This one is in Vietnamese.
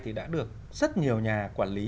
thì đã được rất nhiều nhà quản lý